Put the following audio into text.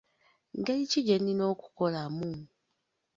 Ngeri ki gyennina okukolamu ?